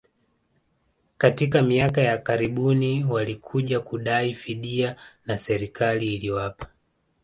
katika miaka ya karibuni walikuja kudai fidia na serikali iliwalipa